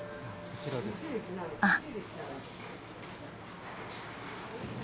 あっ。